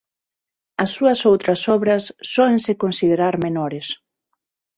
As súas outras obras sóense considerar menores.